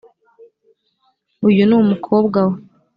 uyu ni umukobwa we.